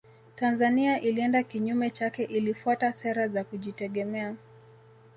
Tanzania ilienda kinyume chake ilifuata sera za kujitegemea